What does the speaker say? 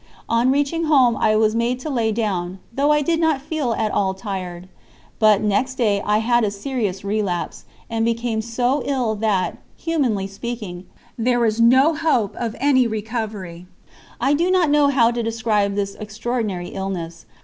On reaching home I was made to lie down, though I did not feel at all tired; but next day I had a serious relapse, and became so ill that, humanly speaking, there was no hope of any recovery. I do not know how to describe this extraordinary illness.